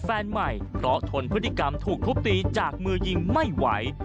แฟนใหม่เพราะทนพฤติกรรมถูกทุบตีจากมือยิงไม่ไหว